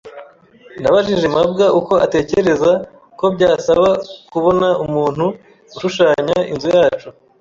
Nabajije mabwa uko atekereza ko byasaba kubona umuntu ushushanya inzu yacu.